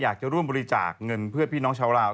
อยากจะร่วมบริจาคเงินเพื่อพี่น้องชาวลาว